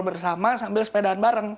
bersama sambil sepedaan bareng